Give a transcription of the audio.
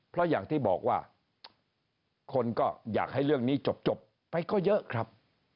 เพราะอย่างที่บอกว่าคนก็อยากให้เรื่องนี้จบไปก็เยอะครับ